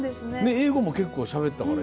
英語も結構しゃべったから。